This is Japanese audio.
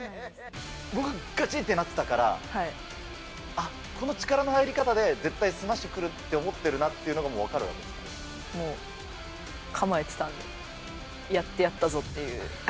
僕ががちってなってたから、あっ、この力の入り方で絶対スマッシュくるって思ってるなっていうのが、もう構えてたんで。